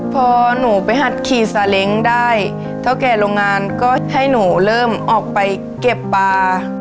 พอหนูไปหัดขี่ซาเล้งได้เท่าแก่โรงงานก็ให้หนูเริ่มออกไปเก็บปลา